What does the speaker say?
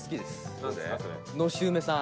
玉森：のし梅さん。